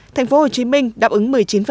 thành phố hồ chí minh đáp ứng một mươi